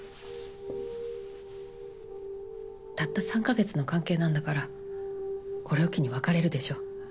たった３か月の関係なんだからこれを機に別れるでしょ。